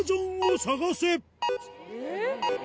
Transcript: えっ？